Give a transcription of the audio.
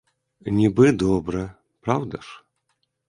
Нібы добра, праўда ж?